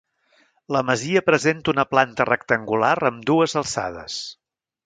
La masia presenta una planta rectangular amb dues alçades.